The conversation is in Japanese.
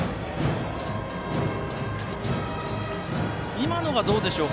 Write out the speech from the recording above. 今のはどうでしょうか。